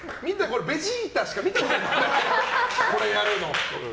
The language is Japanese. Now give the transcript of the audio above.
ベジータしか見たことないこれやるの。